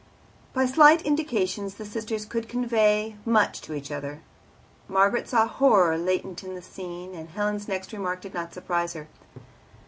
By slight indications the sisters could convey much to each other. Margaret saw horror latent in the scene, and Helen's next remark did not surprise her.